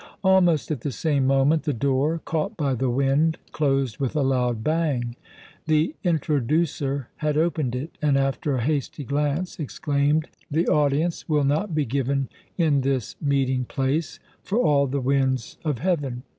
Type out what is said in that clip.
Almost at the same moment the door, caught by the wind, closed with a loud bang. The "introducer"* had opened it, and, after a hasty glance, exclaimed: [* Marshal of the court.] "The audience will not be given in this meeting place for all the winds of heaven!